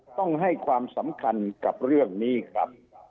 ต้องให้ความสำคัญกับเรื่องนี้ครับ